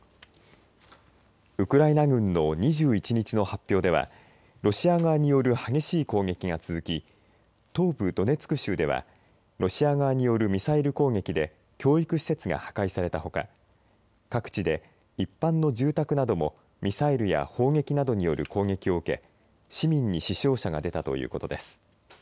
ウクライナ軍の２１日の発表ではロシア側による激しい攻撃が続き東部ドネツク州ではロシア側によるミサイル攻撃で教育施設が破壊されたほか各地で一般の住宅などもミサイルや砲撃などによる攻撃を受け市民に死傷者が出たということです。